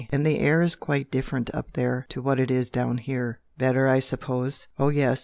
And the air is quite different up there to what it is down here." "Better, I suppose?" "Oh, yes!